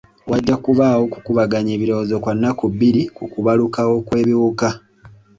Wajja kubaawo okukubaganya ebirowoozo kwa nnaku bbiri ku kubalukawo kw'ebiwuka .